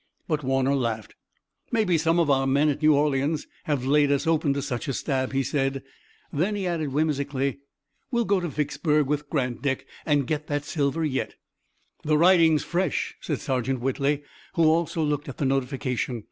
But Warner laughed. "Maybe some of our men at New Orleans have laid us open to such a stab," he said. Then he added whimsically: "We'll go to Vicksburg with Grant, Dick, and get that silver yet." "The writing's fresh," said Sergeant Whitley, who also looked at the notification.